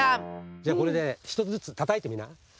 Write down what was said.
じゃこれで１つずつたたいてみな。